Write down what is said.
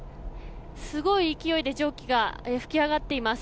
すごい勢いで蒸気が噴き上がっています。